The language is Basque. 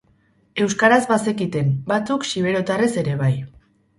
Euskaraz bazekiten, batzuk xiberotarrez ere bai.